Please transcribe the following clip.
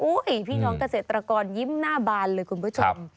พี่น้องเกษตรกรยิ้มหน้าบานเลยคุณผู้ชม